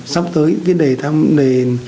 sắp tới cái đề tham đề